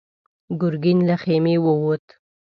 ګرګين له خيمې ووت.